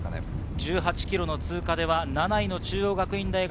１８ｋｍの通過で７位の中央学院大学。